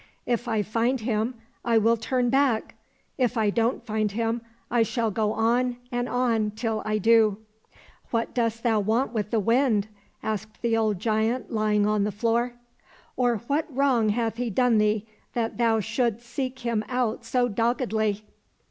" If I find him, I will turn back ; if I don't find him, I shall go on and on till I do." —'* What dost thou want with the Wind ?" asked the old giant lying on the floor. " Or what wrong hath he done thee, that thou shouldst seek him out so doggedly